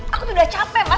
aku tuh udah capek mas